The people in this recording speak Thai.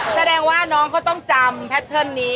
แสดงว่าน้องเขาต้องจำแพทเทิร์นนี้